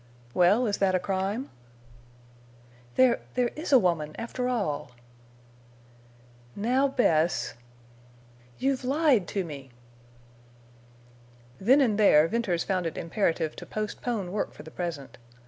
"Well, is that a crime?" "There—there is a woman, after all!" "Now Bess—" "You've lied to me!" Then and there Venters found it imperative to postpone work for the present.